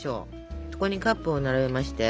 そこにカップを並べまして。